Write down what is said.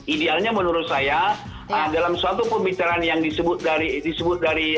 idealnya menurut saya dalam suatu pembicaraan yang disebut dari